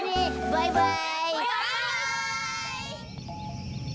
バイバイ！